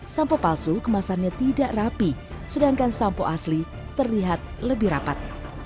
sampo palsu kemasannya tidak rapi sedangkan sampo asli terlihat lebih rapat